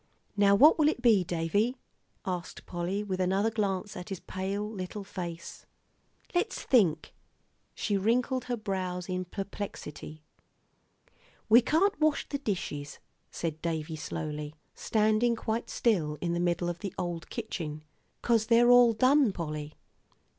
"Now what will it be, Davie?" asked Polly, with another glance at his pale little face. "Let's think," she wrinkled her brows in perplexity. "We can't wash the dishes," said Davie, slowly, standing quite still in the middle of the old kitchen, "'cause they're all done, Polly."